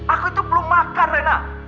aku itu belum makan rena